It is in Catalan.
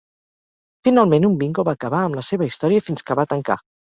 Finalment un bingo va acabar amb la seva història fins que va tancar.